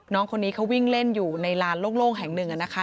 น้องคนนี้เขาวิ่งเล่นอยู่ในลานโล่งแห่งหนึ่งนะคะ